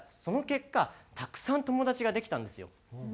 その結果たくさん友達ができたんですよ。